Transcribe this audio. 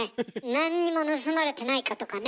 何にも盗まれてないかとかね。